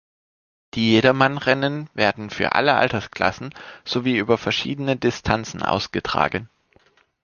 Die Jedermannrennen werden für alle Altersklassen sowie über verschiedene Distanzen ausgetragen.